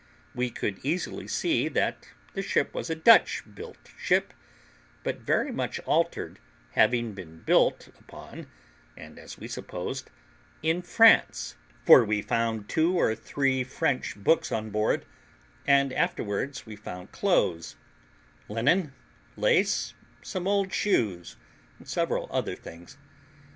We could easily see that the ship was a Dutch built ship, but very much altered, having been built upon, and, as we supposed, in France; for we found two or three French books on board, and afterwards we found clothes, linen, lace, some old shoes, and several other things.